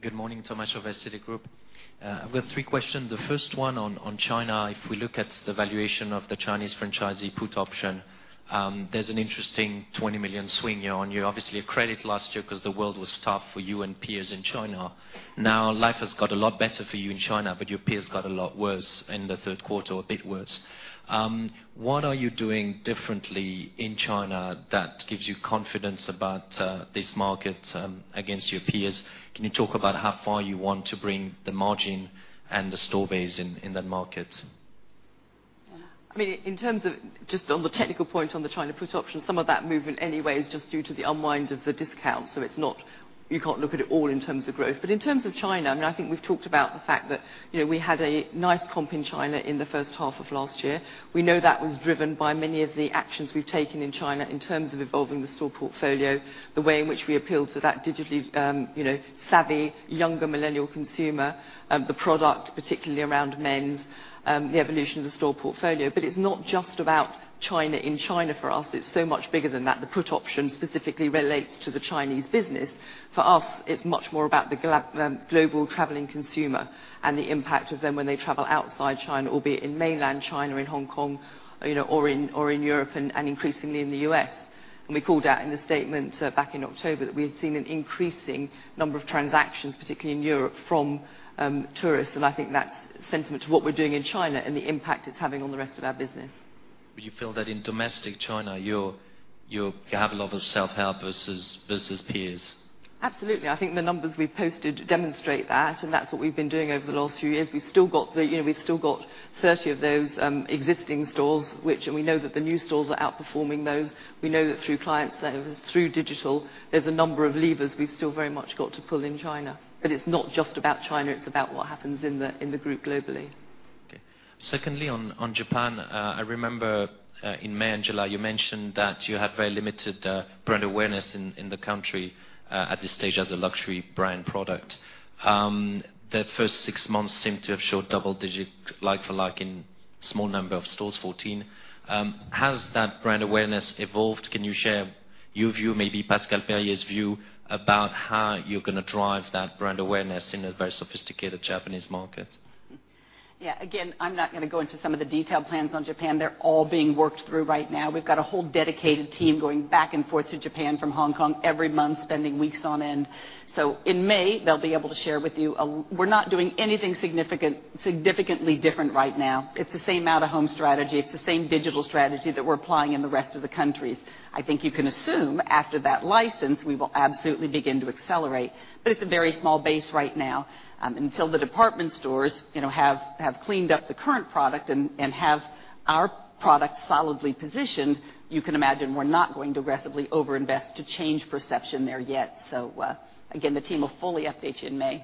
Good morning. Thomas of Citigroup. I've got three questions. The first one on China, if we look at the valuation of the Chinese franchisee put option, there's an interesting 20 million swing year-on-year. Obviously, a credit last year because the world was tough for you and peers in China. Now life has got a lot better for you in China, your peers got a lot worse in the third quarter, or a bit worse. What are you doing differently in China that gives you confidence about this market against your peers? Can you talk about how far you want to bring the margin and the store base in that market? In terms of just on the technical point on the China put option, some of that movement anyway is just due to the unwind of the discount. You can't look at it all in terms of growth. In terms of China, I think we've talked about the fact that we had a nice comp in China in the first half of last year. We know that was driven by many of the actions we've taken in China in terms of evolving the store portfolio, the way in which we appealed to that digitally savvy, younger millennial consumer, the product, particularly around men's, the evolution of the store portfolio. It's not just about China in China for us, it's so much bigger than that. The put option specifically relates to the Chinese business. For us, it's much more about the global traveling consumer and the impact of them when they travel outside China, albeit in mainland China or in Hong Kong, or in Europe and increasingly in the U.S. We called out in the statement back in October that we had seen an increasing number of transactions, particularly in Europe, from tourists, and I think that's sentiment to what we're doing in China and the impact it's having on the rest of our business. Would you feel that in domestic China, you have a lot of self-help versus peers? Absolutely. I think the numbers we've posted demonstrate that, and that's what we've been doing over the last few years. We've still got 30 of those existing stores, and we know that the new stores are outperforming those. We know that through client service, through digital, there's a number of levers we've still very much got to pull in China. It's not just about China, it's about what happens in the group globally. Okay. Secondly, on Japan, I remember in May and July, you mentioned that you had very limited brand awareness in the country at this stage as a luxury brand product. The first six months seem to have showed double-digit like-for-like in small number of stores, 14. Has that brand awareness evolved? Can you share your view, maybe Pascal Perrier's view, about how you're going to drive that brand awareness in a very sophisticated Japanese market? Again, I'm not going to go into some of the detailed plans on Japan. They're all being worked through right now. We've got a whole dedicated team going back and forth to Japan from Hong Kong every month, spending weeks on end. In May, they'll be able to share with you. We're not doing anything significantly different right now. It's the same out-of-home strategy. It's the same digital strategy that we're applying in the rest of the countries. I think you can assume after that license, we will absolutely begin to accelerate. It's a very small base right now. Until the department stores have cleaned up the current product and have our product solidly positioned, you can imagine we're not going to aggressively overinvest to change perception there yet. Again, the team will fully update you in May.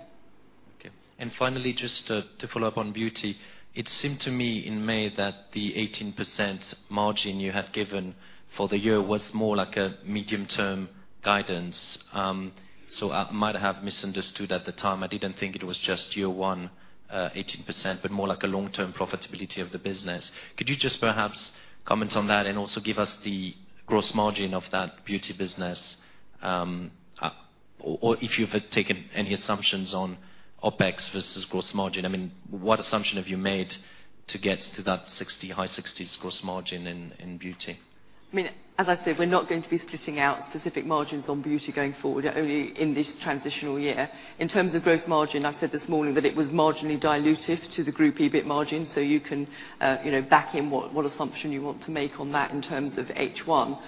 Okay. Finally, just to follow up on beauty. It seemed to me in May that the 18% margin you had given for the year was more like a medium-term guidance. I might have misunderstood at the time. I didn't think it was just year one 18%, but more like a long-term profitability of the business. Could you just perhaps comment on that and also give us the gross margin of that beauty business? Or if you've taken any assumptions on OpEx versus gross margin, what assumption have you made to get to that high 60s gross margin in beauty? As I said, we're not going to be splitting out specific margins on Beauty going forward, only in this transitional year. In terms of gross margin, I said this morning that it was marginally dilutive to the group EBIT margin, you can back in what assumption you want to make on that in terms of H1.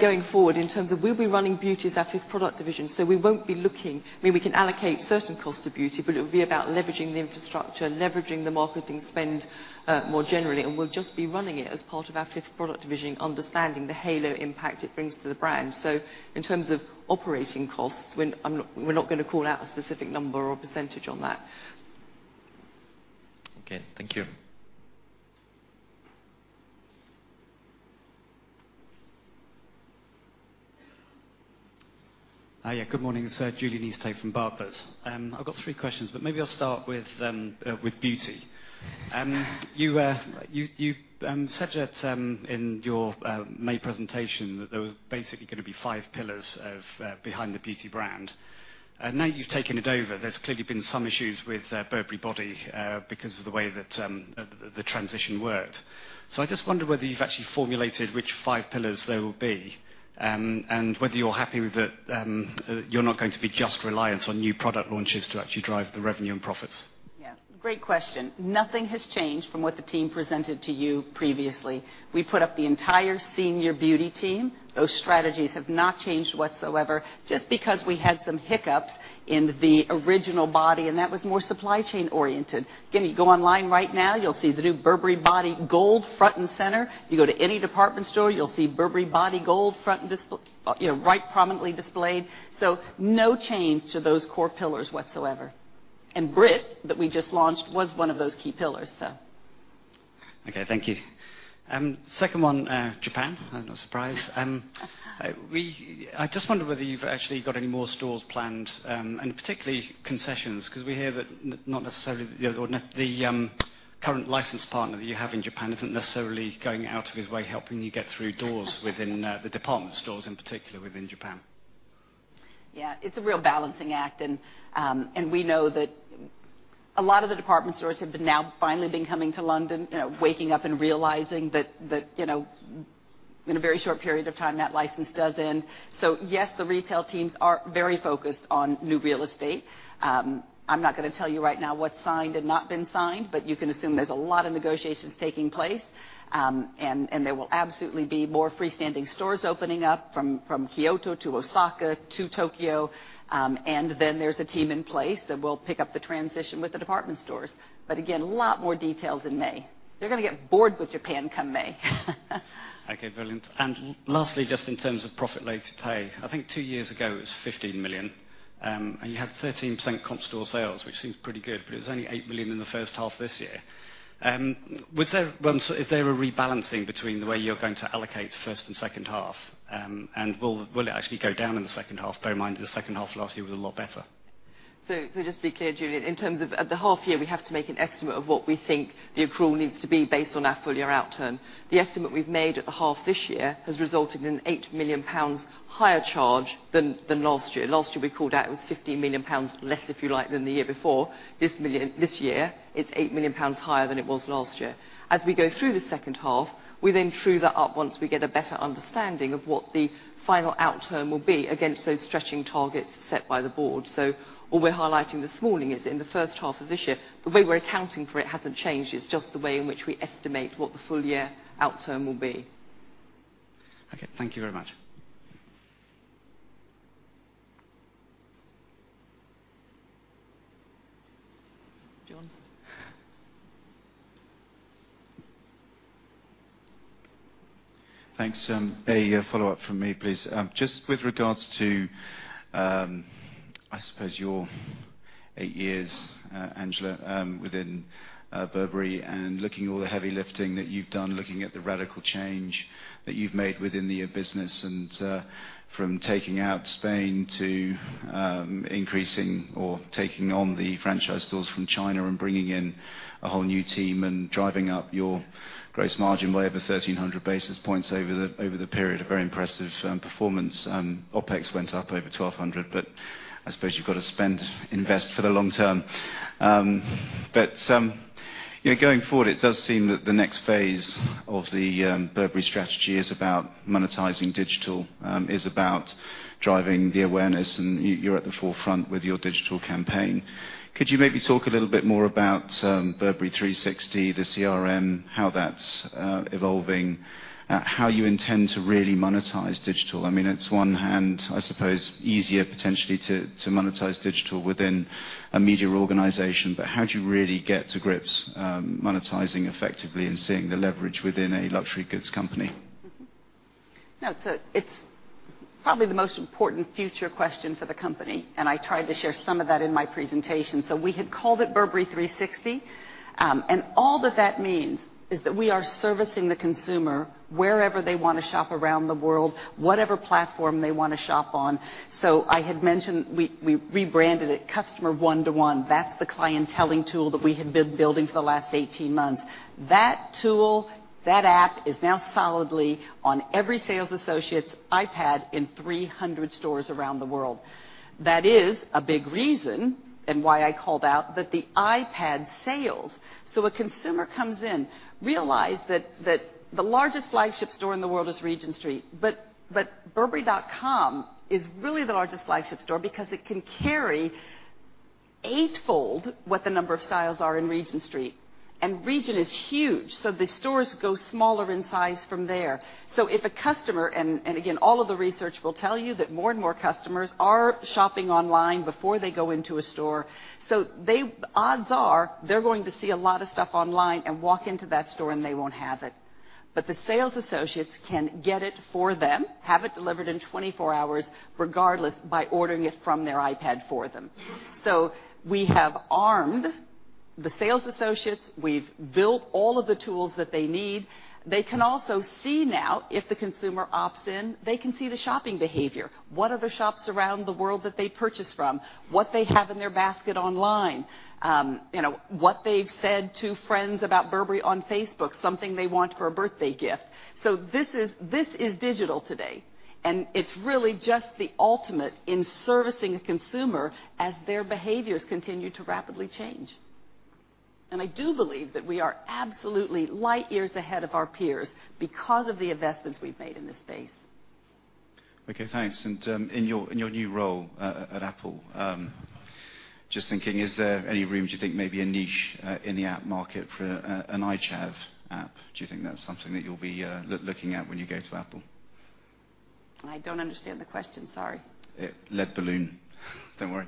Going forward, in terms of we'll be running Beauty as our fifth product division, we won't be looking. We can allocate certain costs to Beauty, but it will be about leveraging the infrastructure, leveraging the marketing spend more generally, and we'll just be running it as part of our fifth product division, understanding the halo impact it brings to the brand. In terms of operating costs, we're not going to call out a specific number or percentage on that. Okay. Thank you. Yeah. Good morning, sir. Julian Easthope from Barclays. I've got three questions, but maybe I'll start with Beauty. You said that in your May presentation that there was basically going to be five pillars behind the Beauty brand. Now you've taken it over, there's clearly been some issues with Burberry Body because of the way that the transition worked. I just wonder whether you've actually formulated which five pillars they will be, and whether you're happy with that you're not going to be just reliant on new product launches to actually drive the revenue and profits. Yeah. Great question. Nothing has changed from what the team presented to you previously. We put up the entire senior Beauty team. Those strategies have not changed whatsoever, just because we had some hiccups in the original Body, and that was more supply chain-oriented. Again, you go online right now, you'll see the new Burberry Body Gold front and center. You go to any department store, you'll see Burberry Body Gold right prominently displayed. No change to those core pillars whatsoever. Brit, that we just launched, was one of those key pillars. Okay, thank you. Second one, Japan. No surprise. I just wonder whether you've actually got any more stores planned, and particularly concessions, because we hear that the current license partner that you have in Japan isn't necessarily going out of his way helping you get through doors within the department stores in particular within Japan. Yeah. It's a real balancing act. We know that a lot of the department stores have now finally been coming to London, waking up and realizing that in a very short period of time, that license does end. Yes, the retail teams are very focused on new real estate. I'm not going to tell you right now what's signed and not been signed. You can assume there's a lot of negotiations taking place. There will absolutely be more freestanding stores opening up from Kyoto to Osaka to Tokyo, and then there's a team in place that will pick up the transition with the department stores. Again, a lot more details in May. They're going to get bored with Japan come May. Okay, brilliant. Lastly, just in terms of profit load to pay, I think two years ago it was 15 million, and you had 13% comp store sales, which seems pretty good, but it was only 8 million in the first half this year. Is there a rebalancing between the way you're going to allocate first and second half? Will it actually go down in the second half? Bear in mind that the second half of last year was a lot better. Just be clear, Julian, in terms of the half year, we have to make an estimate of what we think the accrual needs to be based on our full-year outturn. The estimate we've made at the half this year has resulted in 8 million pounds higher charge than last year. Last year, we called out it was 15 million pounds less, if you like, than the year before. This year, it's 8 million pounds higher than it was last year. We go through the second half, we then true that up once we get a better understanding of what the final outturn will be against those stretching targets set by the board. What we're highlighting this morning is in the first half of this year, the way we're accounting for it hasn't changed. It's just the way in which we estimate what the full year outturn will be. Okay. Thank you very much. John. Thanks. A follow-up from me, please. Just with regards to, I suppose your eight years, Angela, within Burberry and looking at all the heavy lifting that you've done, looking at the radical change that you've made within the business and from taking out Spain to increasing or taking on the franchise stores from China and bringing in a whole new team and driving up your gross margin by over 1,300 basis points over the period, a very impressive performance. OpEx went up over 1,200, I suppose you've got to spend, invest for the long term. Going forward, it does seem that the next phase of the Burberry strategy is about monetizing digital, is about driving the awareness, and you're at the forefront with your digital campaign. Could you maybe talk a little bit more about Customer 360, the CRM, how that's evolving, how you intend to really monetize digital? I mean, it's one hand, I suppose, easier potentially to monetize digital within a media organization, how do you really get to grips monetizing effectively and seeing the leverage within a luxury goods company? No, it's probably the most important future question for the company. I tried to share some of that in my presentation. We had called it Customer 360, all that that means is that we are servicing the consumer wherever they want to shop around the world, whatever platform they want to shop on. I had mentioned we rebranded it Customer One-to-One. That's the clienteling tool that we had been building for the last 18 months. That tool, that app, is now solidly on every sales associate's iPad in 300 stores around the world. That is a big reason, why I called out, that the iPad sales. A consumer comes in, realize that the largest flagship store in the world is Regent Street, but burberry.com is really the largest flagship store because it can carry eightfold what the number of styles are in Regent Street. Regent is huge, the stores go smaller in size from there. If a customer, and again, all of the research will tell you that more and more customers are shopping online before they go into a store, odds are they're going to see a lot of stuff online and walk into that store, and they won't have it. But the sales associates can get it for them, have it delivered in 24 hours, regardless, by ordering it from their iPad for them. We have armed the sales associates, we've built all of the tools that they need. They can also see now, if the consumer opts in, they can see the shopping behavior. What are the shops around the world that they purchase from, what they have in their basket online, what they've said to friends about Burberry on Facebook, something they want for a birthday gift. This is digital today, and it's really just the ultimate in servicing a consumer as their behaviors continue to rapidly change. I do believe that we are absolutely light years ahead of our peers because of the investments we've made in this space. Okay, thanks. In your new role at Apple, just thinking, is there any room, do you think maybe a niche in the app market for an iChav app? Do you think that's something that you'll be looking at when you go to Apple? I don't understand the question, sorry. Lead balloon. Don't worry.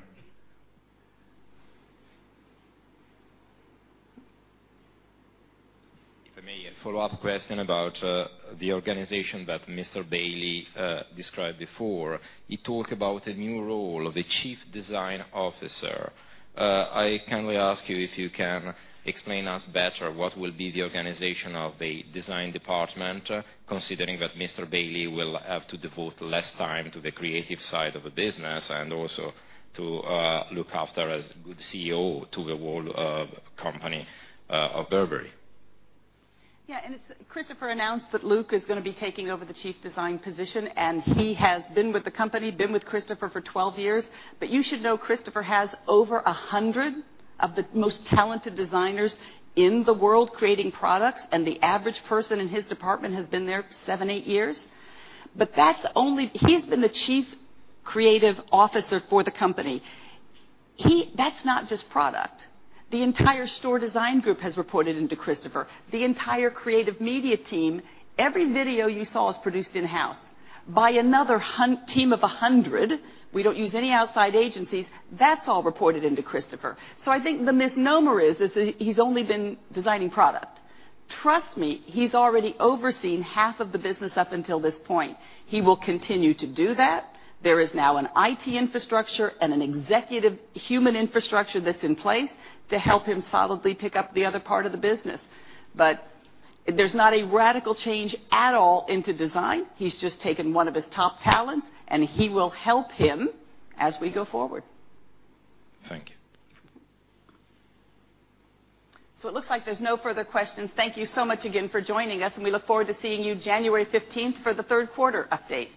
If I may, a follow-up question about the organization that Mr. Bailey described before. He talked about a new role of a chief design officer. Can we ask you if you can explain us better what will be the organization of the design department, considering that Mr. Bailey will have to devote less time to the creative side of the business and also to look after as good CEO to the whole company of Burberry? Yeah. Christopher announced that Luc is going to be taking over the chief design position, and he has been with the company, been with Christopher for 12 years. You should know Christopher has over 100 of the most talented designers in the world creating products, and the average person in his department has been there seven, eight years. He's been the Chief Creative Officer for the company. That's not just product. The entire store design group has reported into Christopher, the entire creative media team. Every video you saw was produced in-house by another team of 100. We don't use any outside agencies. That's all reported into Christopher. I think the misnomer is that he's only been designing product. Trust me, he's already overseen half of the business up until this point. He will continue to do that. There is now an IT infrastructure and an executive human infrastructure that's in place to help him solidly pick up the other part of the business. There's not a radical change at all into design. He's just taken one of his top talents, and he will help him as we go forward. Thank you. It looks like there's no further questions. Thank you so much again for joining us, and we look forward to seeing you January 15th for the third quarter update. Thank you.